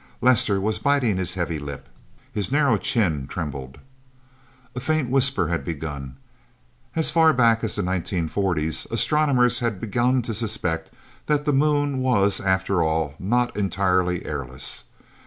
Lester was biting his heavy lip. His narrow chin trembled. A faint whisper had begun. As far back as the 1940s, astronomers had begun to suspect that the Moon was, after all, not entirely airless.